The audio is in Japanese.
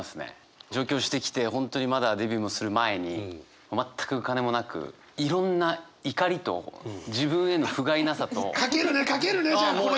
上京してきて本当にまだデビューもする前に全くお金もなくいろんな怒りと自分へのふがいなさと。書けるね書けるねじゃあこの気持ちは！